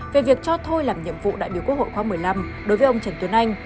về việc cho thôi làm nhiệm vụ đại biểu quốc hội khóa một mươi năm đối với ông trần tuấn anh